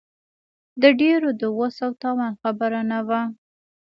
د ډېرو د وس او توان خبره نه وه.